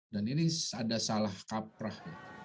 dan ini ada salah kaprah